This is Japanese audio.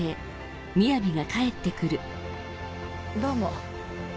どうも。